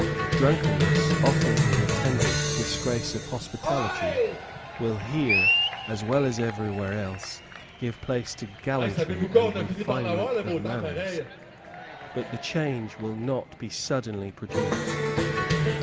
Drunkenness, often the attendant disgrace of hospitality, will here, as well as everywhere else, give place to gallantry and refinement of manners; but the change will not be suddenly produced.